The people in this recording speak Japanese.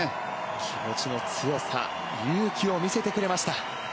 気持ちの強さ勇気を見せてくれました。